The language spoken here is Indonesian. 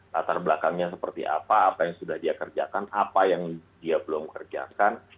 latar belakangnya seperti apa apa yang sudah dia kerjakan apa yang dia belum kerjakan